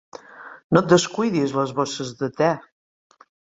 No et descuidis les bosses de té!